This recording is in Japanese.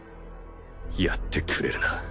やってくれるな。